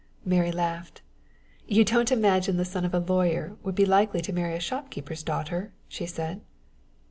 Mary laughed. "You don't imagine the son of a lawyer would be likely to marry a shopkeeper's daughter!" she said.